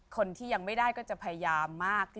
คนที่ยังไม่ได้ก็จะพยายามมาก